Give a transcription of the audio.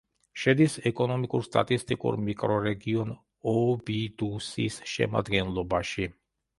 შედის ეკონომიკურ-სტატისტიკურ მიკრორეგიონ ობიდუსის შემადგენლობაში.